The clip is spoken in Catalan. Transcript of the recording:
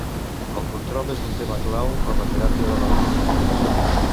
El control és un tema clau en la teràpia de la realitat.